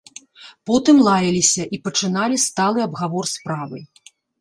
Потым лаяліся і пачыналі сталы абгавор справы.